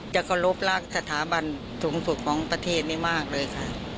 จะเคารพรักสถาบันสูงสุดของประเทศนี้มากเลยค่ะ